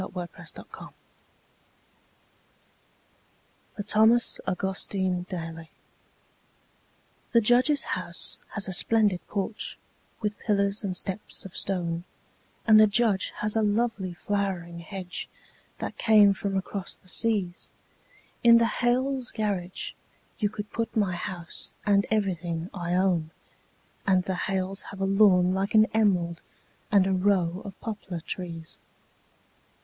The Snowman in the Yard (For Thomas Augustine Daly) The Judge's house has a splendid porch, with pillars and steps of stone, And the Judge has a lovely flowering hedge that came from across the seas; In the Hales' garage you could put my house and everything I own, And the Hales have a lawn like an emerald and a row of poplar trees.